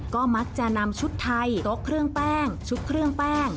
ก็มักจะนำชุดไทยโต๊ะเครื่องแป้งชุดเครื่องแป้ง